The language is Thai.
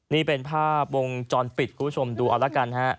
นี่เป็นภาพวงจรปิดคุณผู้ชมดูเอาละกันฮะ